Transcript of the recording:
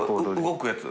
動くやつ？